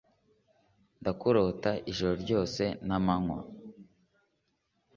ndakurota ijoro ryose namanywa